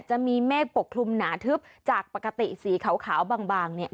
เมฆปกคลุมหนาทึบจากปกติสีขาวบางบางเนี่ย